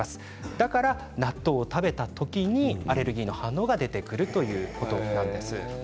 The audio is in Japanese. だから納豆を食べた時にアレルギーの反応が出てくるということなんです。